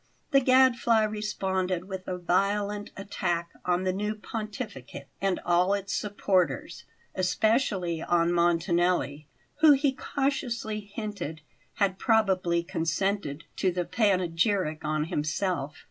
The Gadfly responded with a violent attack on the new Pontificate and all its supporters, especially on Montanelli, who, he cautiously hinted, had probably consented to the panegyric on himself.